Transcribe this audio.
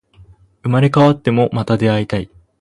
生まれ変わっても、また出会いたい